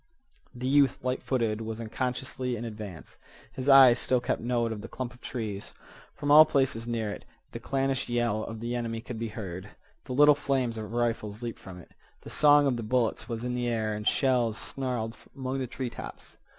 The youth, light footed, was unconsciously in advance. His eyes still kept note of the clump of trees. From all places near it the clannish yell of the enemy could be heard. The little flames of rifles leaped from it. The song of the bullets was in the air and shells snarled among the treetops.